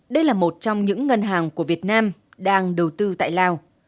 đây là một trong những ngân hàng của việt nam đang đầu tư tại lào